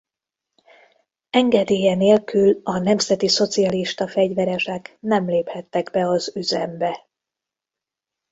Engedélye nélkül a nemzetiszocialista fegyveresek nem léphettek be az üzembe.